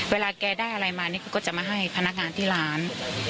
เวลาแกได้อะไรมานี่เขาก็จะมาให้พนักงานที่ร้าน